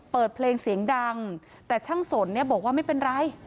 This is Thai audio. เปิดเพลงเสียงดังแต่ช่างสนเนี่ยบอกว่าไม่เป็นไร